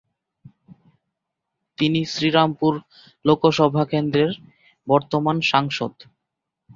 তিনি শ্রীরামপুর লোকসভা কেন্দ্রের বর্তমান সাংসদ।